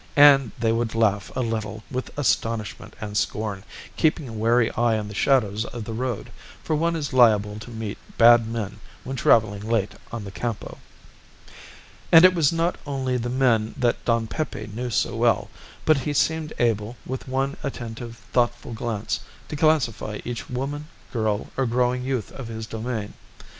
And they would laugh a little with astonishment and scorn, keeping a wary eye on the shadows of the road, for one is liable to meet bad men when travelling late on the Campo. And it was not only the men that Don Pepe knew so well, but he seemed able, with one attentive, thoughtful glance, to classify each woman, girl, or growing youth of his domain.